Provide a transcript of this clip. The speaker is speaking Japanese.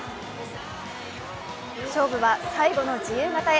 勝負は最後の自由形へ。